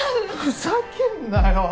ふざけんなよ。